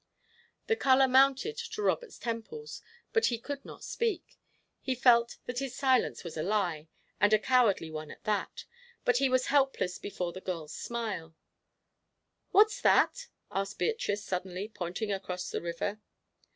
The colour mounted to Robert's temples, but he could not speak. He felt that his silence was a lie, and a cowardly one at that, but he was helpless before the girl's smile. "What's that?" asked Beatrice, suddenly, pointing across the river.